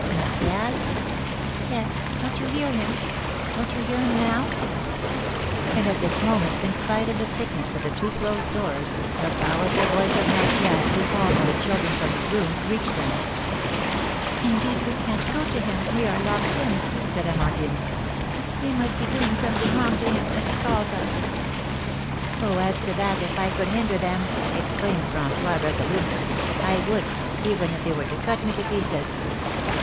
"Martial?" "Yes; don't you hear him? Don't you hear him now?" And at this moment, in spite of the thickness of the two closed doors, the powerful voice of Martial, who called to the children from his room, reached them. "Indeed, we can't go to him; we are locked in," said Amandine. "They must be doing something wrong to him, as he calls us." "Oh, as to that, if I could hinder them," exclaimed François, resolutely, "I would, even if they were to cut me to pieces!"